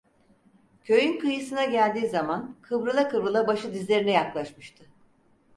Köyün kıyısına geldiği zaman, kıvrıla kıvrıla başı dizlerine yaklaşmıştı.